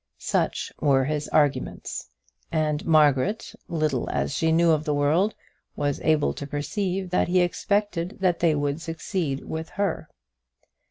Such were his arguments, and Margaret, little as she knew of the world, was able to perceive that he expected that they would succeed with her.